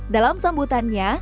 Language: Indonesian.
dalam sambutan g dua puluh